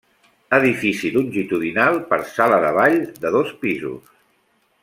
Edifici longitudinal per Sala de Ball, de dos pisos.